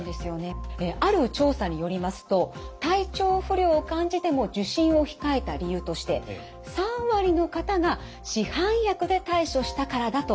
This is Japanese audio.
ある調査によりますと体調不良を感じても受診を控えた理由として３割の方が「市販薬で対処したから」だと答えています。